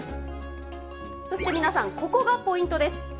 そして皆さん、ここがポイントです。